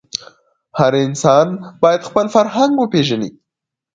هر انسان باید خپل فرهنګ وپېژني.